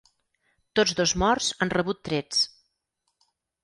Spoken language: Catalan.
Tots dos morts han rebut trets.